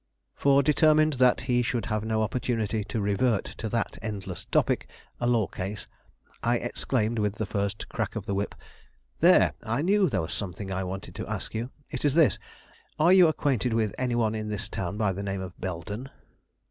For determined that he should have no opportunity to revert to that endless topic, a law case, I exclaimed with the first crack of the whip, "There, I knew there was something I wanted to ask you. It is this: Are you acquainted with any one is this town by the name of Belden?"